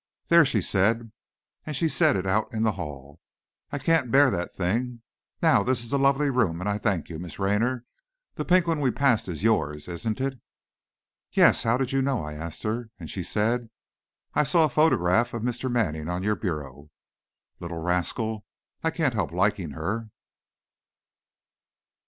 'There,' she said, and she set it out in the hall; 'I can't bear that thing! Now this is a lovely room, and I thank you, Miss Raynor. The pink one we passed is yours, isn't it?' "'Yes; how did you know?' I asked her. And she said, 'I saw a photograph of Mr. Manning on your bureau.' Little rascal! I can't help liking her!"